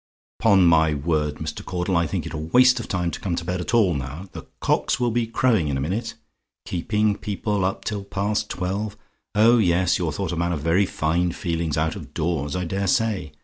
"'Pon my word, Mr. Caudle, I think it a waste of time to come to bed at all now! The cocks will be crowing in a minute. Keeping people up till past twelve. Oh yes! you're thought a man of very fine feelings out of doors, I dare say!